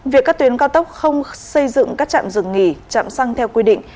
việc các tuyến cao tốc không xây dựng các trạm dừng nghỉ chạm xăng theo quy định